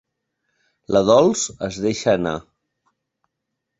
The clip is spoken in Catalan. La Dols es deixa anar.